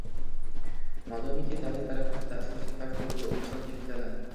Modomiki davlat taraqqiyotida asosiy faktor bu inson kapitali.